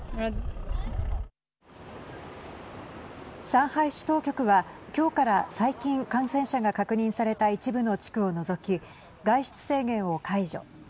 上海市当局はきょうから最近、感染者が確認された一部の地区を除き外出制限を解除。